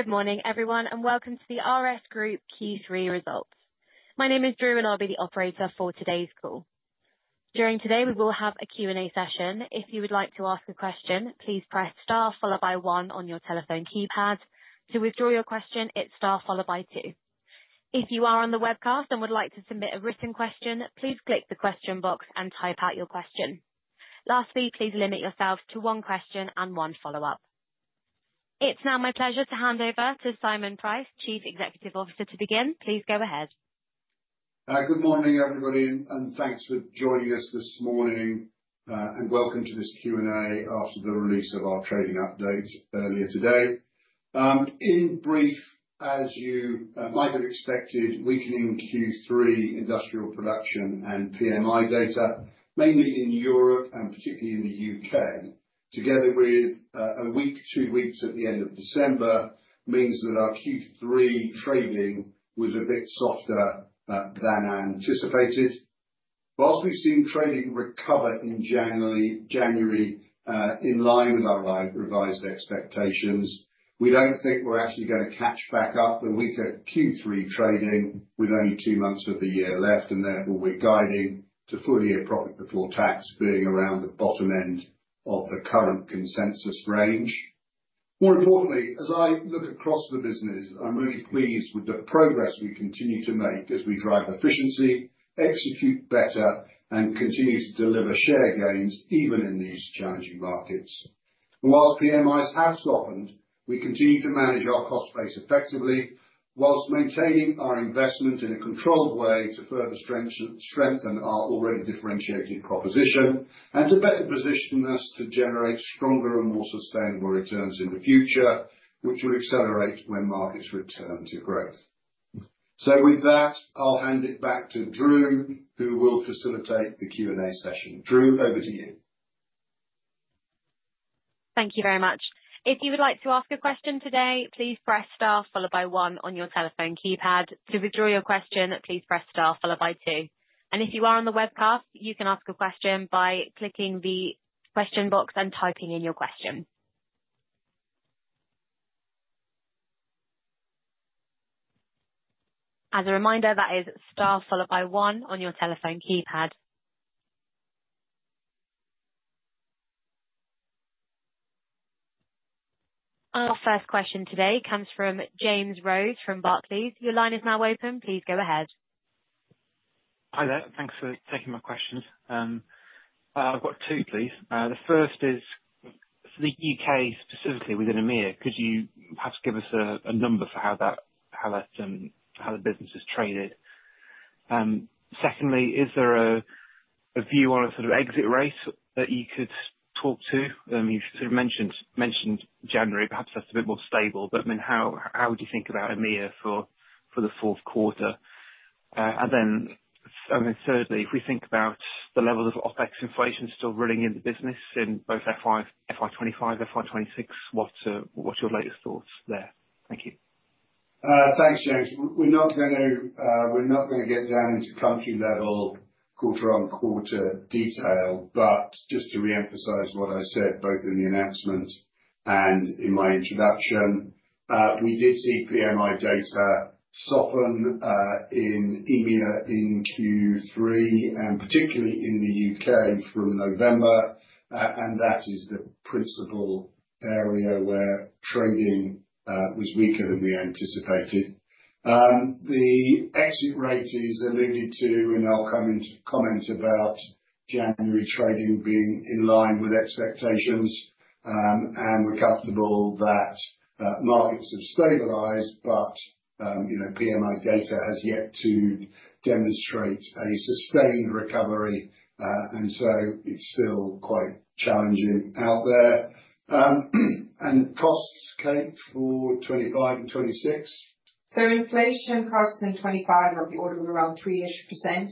Good morning, everyone, and welcome to the RS Group Q3 results. My name is Drew, and I'll be the operator for today's call. During today, we will have a Q&A session. If you would like to ask a question, please press star followed by one on your telephone keypad. To withdraw your question, it's star followed by two. If you are on the webcast and would like to submit a written question, please click the question box and type out your question. Lastly, please limit yourself to one question and one follow-up. It's now my pleasure to hand over to Simon Pryce, Chief Executive Officer, to begin. Please go ahead. Good morning, everybody, and thanks for joining us this morning, and welcome to this Q&A after the release of our trading update earlier today. In brief, as you might have expected, weakening Q3 industrial production and PMI data, mainly in Europe and particularly in the U.K., together with a weak two weeks at the end of December, means that our Q3 trading was a bit softer than anticipated. Whilst we've seen trading recover in January, in line with our revised expectations, we don't think we're actually going to catch back up the weaker Q3 trading with only two months of the year left, and therefore we're guiding to full-year profit before tax being around the bottom end of the current consensus range. More importantly, as I look across the business, I'm really pleased with the progress we continue to make as we drive efficiency, execute better, and continue to deliver share gains even in these challenging markets. And whilst PMIs have softened, we continue to manage our cost base effectively, whilst maintaining our investment in a controlled way to further strengthen our already differentiated proposition and to better position us to generate stronger and more sustainable returns in the future, which will accelerate when markets return to growth. So with that, I'll hand it back to Drew, who will facilitate the Q&A session. Drew, over to you. Thank you very much. If you would like to ask a question today, please press star followed by one on your telephone keypad. To withdraw your question, please press star followed by two, and if you are on the webcast, you can ask a question by clicking the question box and typing in your question. As a reminder, that is star followed by one on your telephone keypad. Our first question today comes from James Rose from Barclays. Your line is now open. Please go ahead. Hi there. Thanks for taking my questions. I've got two, please. The first is for the UK, specifically within EMEA. Could you perhaps give us a number for how that business has traded? Secondly, is there a view on a sort of exit rate that you could talk to? You sort of mentioned January, perhaps that's a bit more stable, but I mean, how would you think about EMEA for the fourth quarter? And then thirdly, if we think about the level of OpEx inflation still running in the business in both FY25, FY26, what's your latest thoughts there? Thank you. Thanks, James. We're not going to get down into country-level quarter-on-quarter detail, but just to re-emphasize what I said both in the announcement and in my introduction, we did see PMI data soften in EMEA in Q3 and particularly in the UK from November, and that is the principal area where trading was weaker than we anticipated. The exit rate is alluded to, and I'll come into comment about January trading being in line with expectations, and we're comfortable that markets have stabilized, but PMI data has yet to demonstrate a sustained recovery, and so it's still quite challenging out there. And costs, Kate, for 2025 and 2026? Inflation costs in 2025 will be ordered around 3-ish%.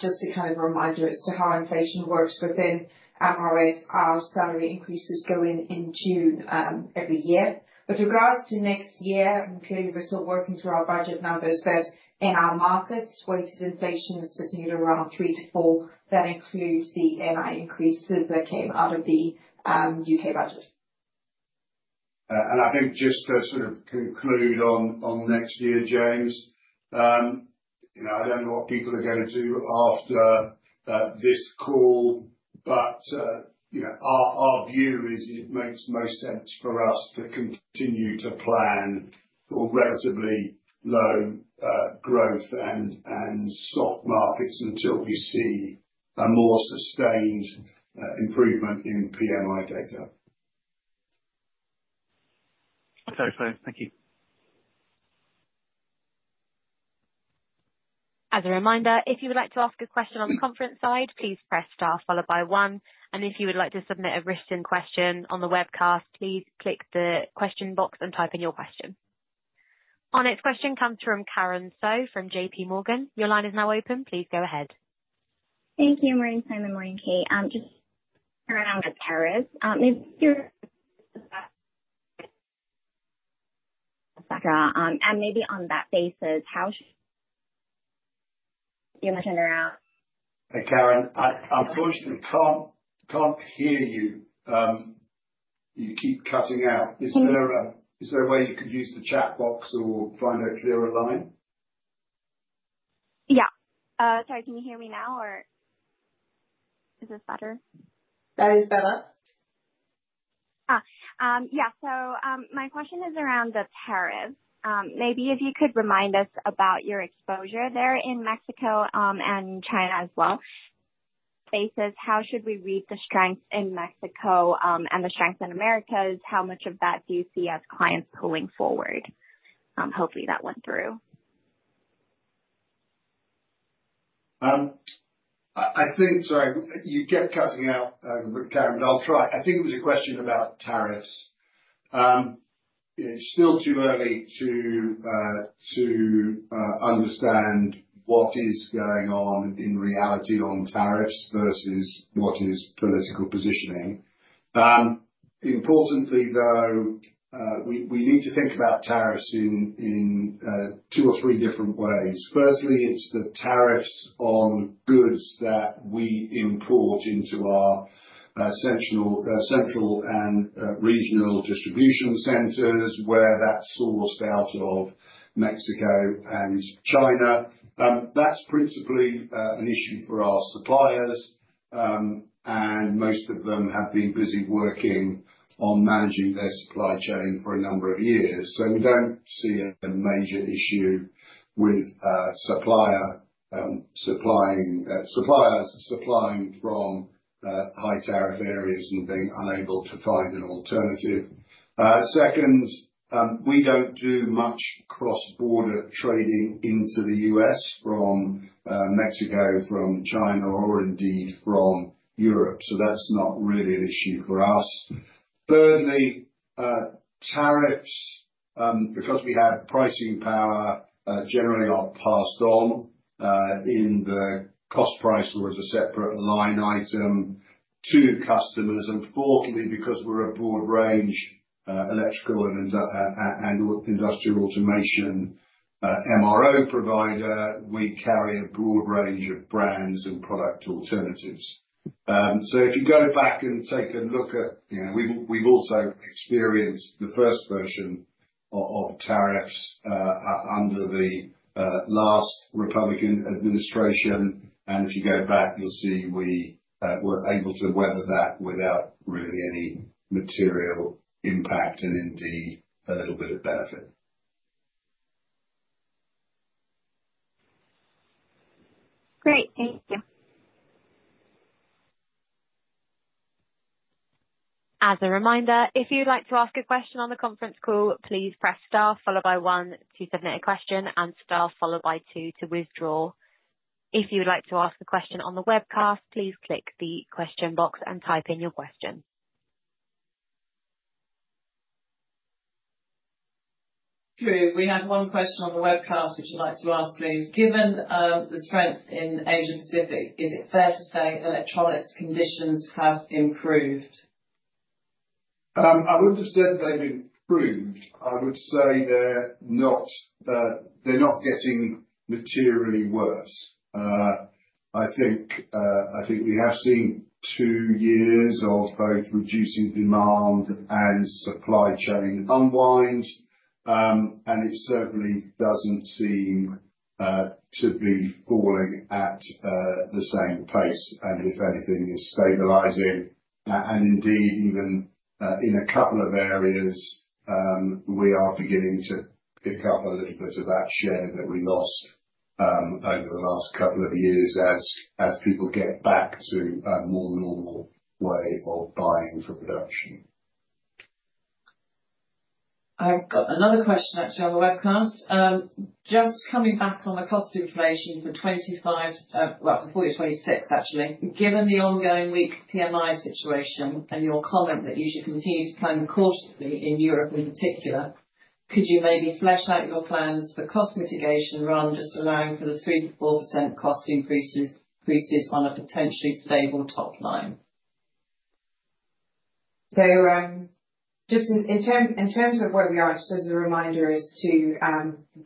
Just to kind of remind you as to how inflation works within RS, our salary increases go in June every year. With regards to next year, clearly we're still working through our budget numbers, but in our markets, weighted inflation is sitting at around 3-4%. That includes the MW increases that came out of the UK Budget. I think just to sort of conclude on next year, James, I don't know what people are going to do after this call, but our view is it makes most sense for us to continue to plan for relatively low growth and soft markets until we see a more sustained improvement in PMI data. Thanks. Thank you. As a reminder, if you would like to ask a question on the conference side, please press star followed by one. And if you would like to submit a written question on the webcast, please click the question box and type in your question. Our next question comes from Karin So from JPMorgan. Your line is now open. Please go ahead. Thank you. Morning Simon and morning Kate. Just around the tariffs, maybe on that basis, how should you mention around? Hey, Karin. Unfortunately, I can't hear you. You keep cutting out. Is there a way you could use the chat box or find a clearer line? Yeah. Sorry, can you hear me now, or is this better? That is better. Yeah. So my question is around the tariffs. Maybe if you could remind us about your exposure there in Mexico and China as well. Based, how should we read the strength in Mexico and the strength in Americas? How much of that do you see as clients pulling forward? Hopefully, that went through. I think, sorry, you kept cutting out, Karen, but I'll try. I think it was a question about tariffs. It's still too early to understand what is going on in reality on tariffs versus what is political positioning. Importantly, though, we need to think about tariffs in two or three different ways. Firstly, it's the tariffs on goods that we import into our central and regional distribution centers where that's sourced out of Mexico and China. That's principally an issue for our suppliers, and most of them have been busy working on managing their supply chain for a number of years. So we don't see a major issue with suppliers supplying from high-tariff areas and being unable to find an alternative. Second, we don't do much cross-border trading into the U.S. from Mexico, from China, or indeed from Europe. So that's not really an issue for us. Thirdly, tariffs, because we have pricing power, generally are passed on in the cost price or as a separate line item to customers. And fourthly, because we're a broad-range electrical and industrial automation MRO provider, we carry a broad range of brands and product alternatives. So if you go back and take a look at, we've also experienced the first version of tariffs under the last Republican administration. And if you go back, you'll see we were able to weather that without really any material impact and indeed a little bit of benefit. Great. Thank you. As a reminder, if you'd like to ask a question on the conference call, please press star followed by one to submit a question and star followed by two to withdraw. If you would like to ask a question on the webcast, please click the question box and type in your question. Drew, we have one question on the webcast. Would you like to ask, please? Given the strength in Asia-Pacific, is it fair to say electronics conditions have improved? I wouldn't have said they've improved. I would say they're not getting materially worse. I think we have seen two years of both reducing demand and supply chain unwind, and it certainly doesn't seem to be falling at the same pace, and if anything, it's stabilizing, and indeed, even in a couple of areas, we are beginning to pick up a little bit of that share that we lost over the last couple of years as people get back to a more normal way of buying for production. I've got another question, actually, on the webcast. Just coming back on the cost inflation for 2025, well, for 2026, actually. Given the ongoing weak PMI situation and your comment that you should continue to plan cautiously in Europe in particular, could you maybe flesh out your plans for cost mitigation rather than just allowing for the 3%-4% cost increases on a potentially stable top line? So just in terms of where we are, just as a reminder, as to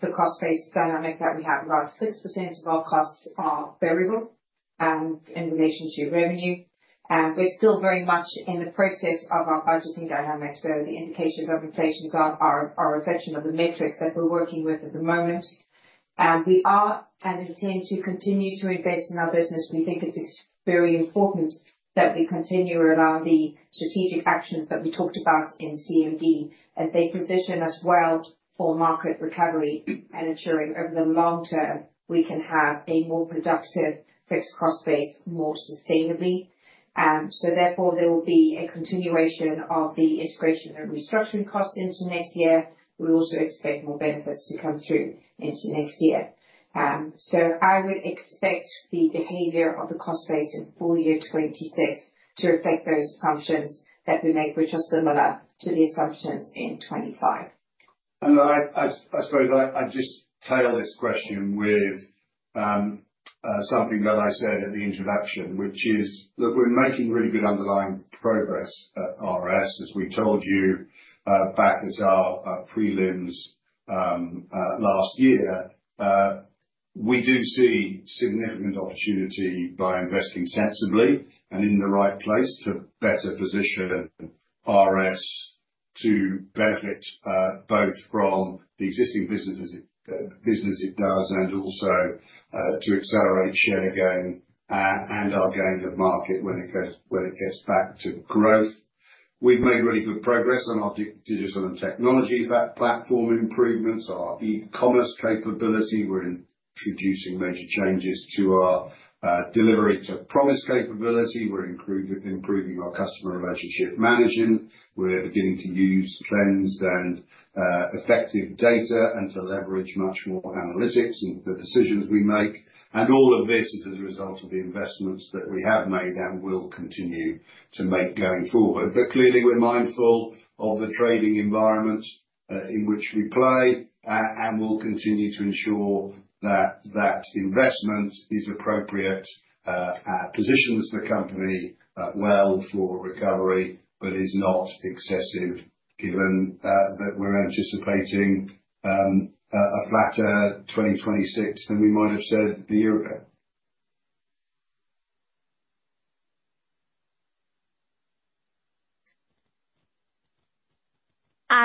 the cost base dynamic that we have, about 6% of our costs are variable in relation to revenue. And we're still very much in the process of our budgeting dynamic. So, the indications of inflation are a reflection of the metrics that we're working with at the moment. And we are and intend to continue to invest in our business. We think it's very important that we continue around the strategic actions that we talked about in CMD as they position us well for market recovery and ensuring over the long term we can have a more productive fixed cost base more sustainably. So therefore, there will be a continuation of the integration and restructuring costs into next year. We also expect more benefits to come through into next year. So I would expect the behavior of the cost base in full year 2026 to reflect those assumptions that we made, which are similar to the assumptions in 2025. And I suppose I just tailor this question with something that I said at the introduction, which is that we're making really good underlying progress at RS, as we told you back at our Prelims last year. We do see significant opportunity by investing sensibly and in the right place to better position RS to benefit both from the existing business it does and also to accelerate share gain and our gain of market when it gets back to growth. We've made really good progress on our digital and technology platform improvements, our e-commerce capability. We're introducing major changes to our Delivery-to-Promise capability. We're improving our customer relationship management. We're beginning to use cleansed and effective data and to leverage much more analytics in the decisions we make. And all of this is as a result of the investments that we have made and will continue to make going forward. But clearly, we're mindful of the trading environment in which we play, and we'll continue to ensure that that investment is appropriate, positions the company well for recovery, but is not excessive given that we're anticipating a flatter 2026 than we might have said a year ago.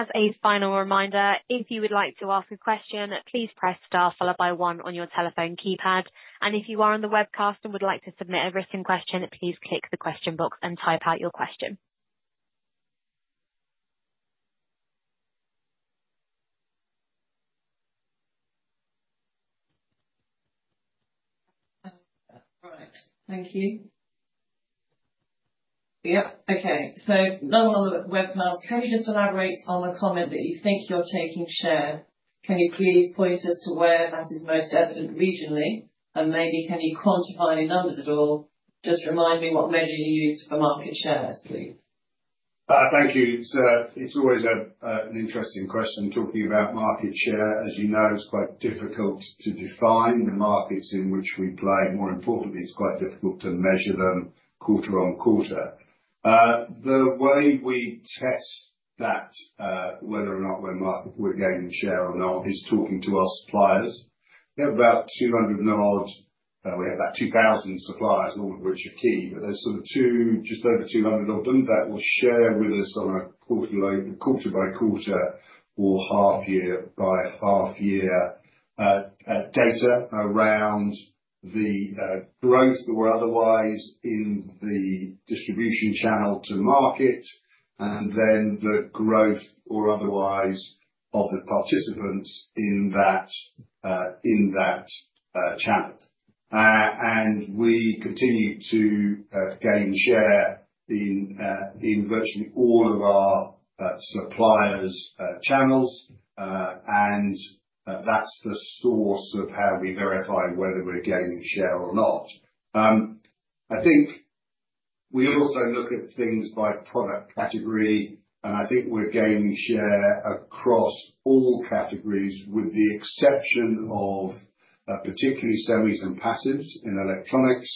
As a final reminder, if you would like to ask a question, please press star followed by one on your telephone keypad. And if you are on the webcast and would like to submit a written question, please click the question box and type out your question. All right. Thank you. Yep. Okay. So no one on the webcast. Can you just elaborate on the comment that you think you're taking share? Can you please point us to where that is most evident regionally? And maybe can you quantify the numbers at all? Just remind me what measure you used for market shares, please? Thank you. It's always an interesting question. Talking about market share, as you know, it's quite difficult to define the markets in which we play. More importantly, it's quite difficult to measure them quarter on quarter. The way we test that, whether or not we're gaining share or not, is talking to our suppliers. We have about 200 nodes. We have about 2,000 suppliers, all of which are key. But there's sort of two, just over 200 of them that will share with us on a quarter-by-quarter or half-year-by-half-year data around the growth or otherwise in the distribution channel to market, and then the growth or otherwise of the participants in that channel. And we continue to gain share in virtually all of our suppliers' channels. And that's the source of how we verify whether we're gaining share or not. I think we also look at things by product category. And I think we're gaining share across all categories with the exception of particularly semis and passives in electronics,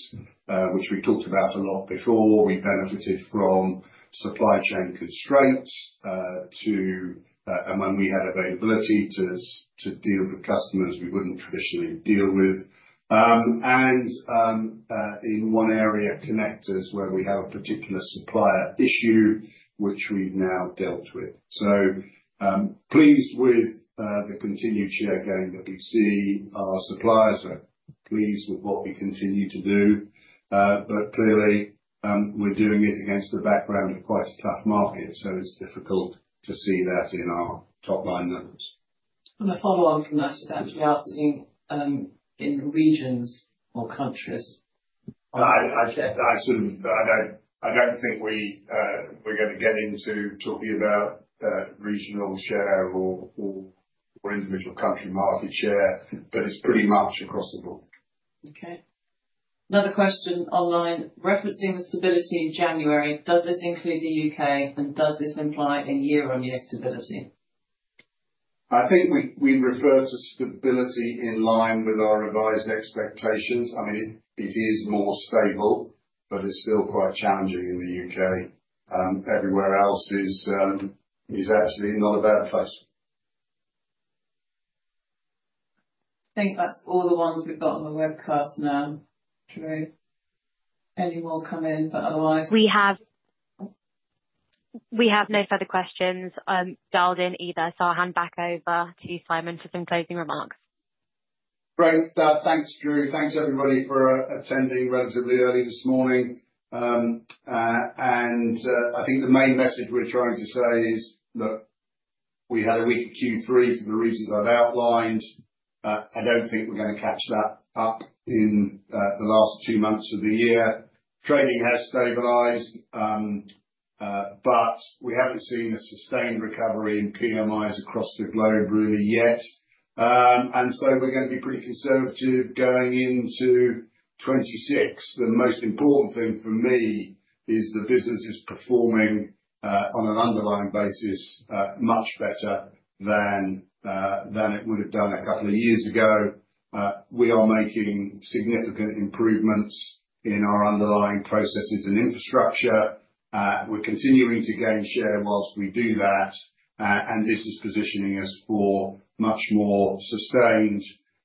which we talked about a lot before. We benefited from supply chain constraints to when we had availability to deal with customers we wouldn't traditionally deal with. And in one area, connectors where we have a particular supplier issue, which we've now dealt with. So pleased with the continued share gain that we see. Our suppliers are pleased with what we continue to do. But clearly, we're doing it against the background of quite a tough market. So it's difficult to see that in our top-line numbers. A follow-on from that is actually asking in regions or countries. I sort of, I don't think we're going to get into talking about regional share or individual country market share, but it's pretty much across the board. Okay. Another question online. Referencing the stability in January, does this include the UK? And does this imply a year-on-year stability? I think we refer to stability in line with our revised expectations. I mean, it is more stable, but it's still quite challenging in the U.K. Everywhere else is actually not a bad place. I think that's all the ones we've got on the webcast now, Drew. Any more come in? But otherwise. We have no further questions and dialed in either. So, I'll hand back over to Simon for some closing remarks. Great. Thanks, Drew. Thanks, everybody, for attending relatively early this morning. And I think the main message we're trying to say is that we had a weak Q3 for the reasons I've outlined. I don't think we're going to catch that up in the last two months of the year. Trading has stabilized, but we haven't seen a sustained recovery in PMIs across the globe really yet. And so we're going to be pretty conservative going into 2026. The most important thing for me is the business is performing on an underlying basis much better than it would have done a couple of years ago. We are making significant improvements in our underlying processes and infrastructure. We're continuing to gain share while we do that. And this is positioning us for much more sustained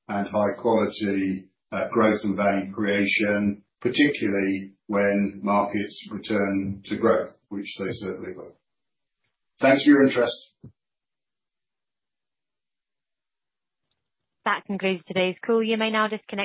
and high-quality growth and value creation, particularly when markets return to growth, which they certainly will. Thanks for your interest. That concludes today's call. You may now disconnect.